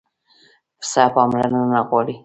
پسه پاملرنه غواړي.